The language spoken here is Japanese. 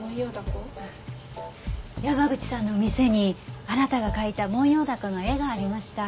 山口さんの店にあなたが描いたモンヨウダコの絵がありました。